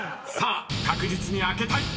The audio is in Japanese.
［確実に開けたい。